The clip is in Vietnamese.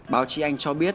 báo chí anh cho biết